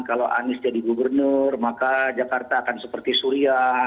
kalau anies jadi gubernur maka jakarta akan seperti surya